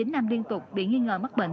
một mươi chín năm liên tục để nghi ngờ mắc bẩn